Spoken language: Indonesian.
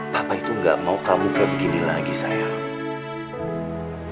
papa itu gak mau kamu kayak begini lagi sayang